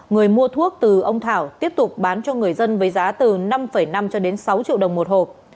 người mua thuốc từ ông thảo tiếp tục bán cho người dân với giá từ năm năm cho đến sáu triệu đồng một hộp